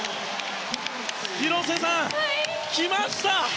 広瀬さん、来ました！